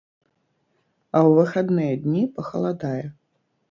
А ў выхадныя дні пахаладае.